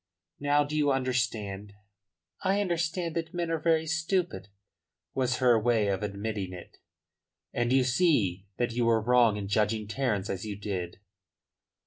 Now do you understand?" "I understand that men are very stupid," was her way of admitting it. "And you see that you were wrong in judging Terence as you did?"